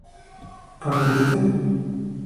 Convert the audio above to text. ¿partiste?